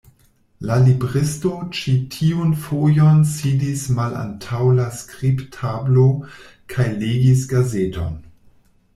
La libristo ĉi tiun fojon sidis malantaŭ la skribtablo kaj legis gazeton.